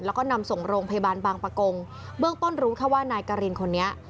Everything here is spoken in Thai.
แล้วก็นำส่งโรงพยาบาลบางประกงเบื้องต้นรู้แค่ว่านายกรินคนนี้